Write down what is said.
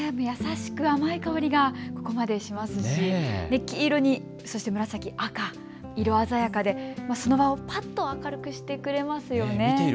優しく甘い香りがしますし黄色に紫、赤、色鮮やかでその場をぱっと明るくしてくれますよね。